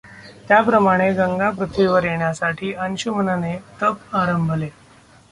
त्याप्रमाणे गंगा पृथ्वीवर येण्यासाठी अंशुमनने तप आरंभले.